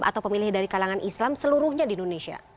atau pemilih dari kalangan islam seluruhnya di indonesia